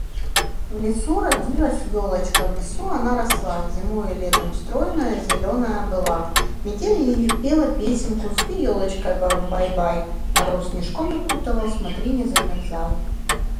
Теперь я хотел бы предоставить слово уважаемому представителю Соединенных Штатов Америки.